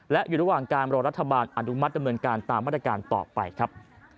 และอยู่ระหว่างการรอรัฐบาลอนุมัติดำเนินการตามมาตรการต่อไปครับ